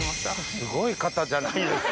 すごい方じゃないですか。